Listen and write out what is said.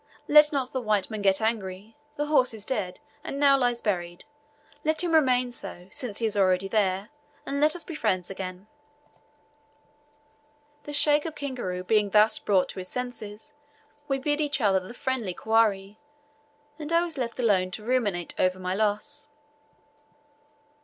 Let not the white man get angry. The horse is dead, and now lies buried; let him remain so, since he is already there, and let us be friends again." The Sheikh of Kingaru being thus brought to his senses, we bid each other the friendly "Kwaheri," and I was left alone to ruminate over my loss.